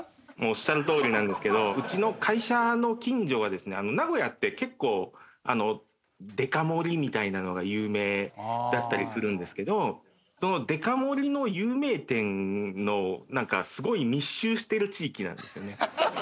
おっしゃるとおりなんですけどうちの会社の近所がですね名古屋って結構デカ盛りみたいなのが有名だったりするんですけどそのデカ盛りの有名店のなんかすごい密集してる地域なんですよね。